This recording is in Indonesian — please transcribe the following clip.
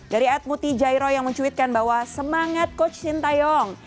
dari ad muti jairoi yang mencuitkan bahwa semangat coach shin taeyong